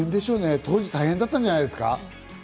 当時、大変だったんじゃないですか？